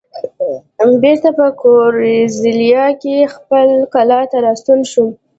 بېرته په ګوریزیا کې خپلې کلا ته راستون شوم.